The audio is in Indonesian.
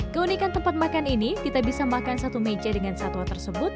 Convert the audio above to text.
keunikan tempat makan ini kita bisa makan satu meja dengan satwa tersebut